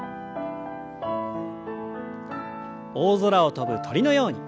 大空を飛ぶ鳥のように。